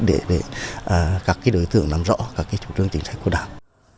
để các đối tượng làm rõ các trụ trương chính sách của đảng